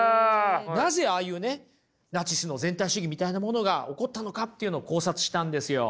なぜああいうねナチスの全体主義みたいなものが起こったのかというのを考察したんですよ。